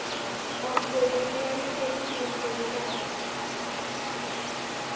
অত্র ইউনিয়নে কোন নদ-নদী নাই।